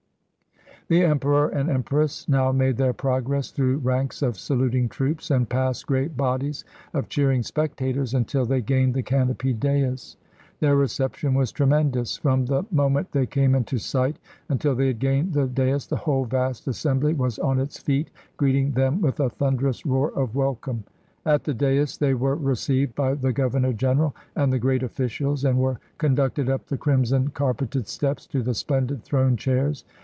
The Emperor and Empress now made their progress through ranks of saluting troops, and past great bodies of cheering spectators, until they gained the canopied dais. Their reception was tremendous. From the mo ment they came into sight until they had gained the dais the whole vast assembly was on its feet, greeting them with a thunderous roar of welcome. At the dais, they were received by the Governor General and the great officials, and were conducted up the crimson carpeted steps to the splendid throne chairs.